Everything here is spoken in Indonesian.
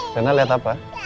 bener liat apa